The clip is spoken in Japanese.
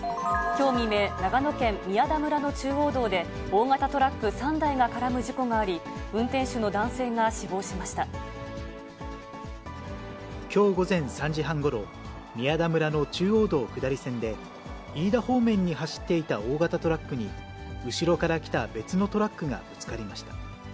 きょう未明、長野県宮田村の中央道で大型トラック３台が絡む事故があり、きょう午前３時半ごろ、宮田村の中央道下り線で、飯田方面に走っていた大型トラックに、後ろから来た別のトラックがぶつかりました。